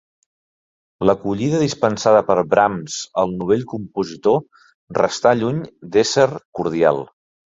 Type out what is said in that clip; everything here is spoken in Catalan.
L'acollida dispensada per Brahms al novell compositor restà lluny d'ésser cordial.